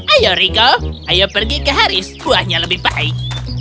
ayo rical ayo pergi ke haris buahnya lebih baik